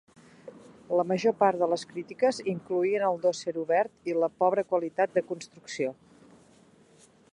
La major part de les crítiques incloïen el dosser obert i la pobra qualitat de construcció.